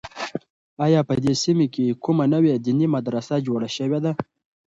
آیا په دې سیمه کې کومه نوې دیني مدرسه جوړه شوې ده؟